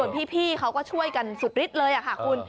ส่วนพี่เขาก็ช่วยกันสุดลิดเลยค่ะคุณ